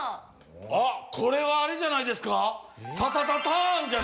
あっこれはあれじゃないですか？